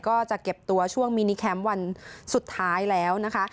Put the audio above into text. ก็จะเก็บตัวช่วงมินิแคมป์วันสุดท้ายแล้วนะคะ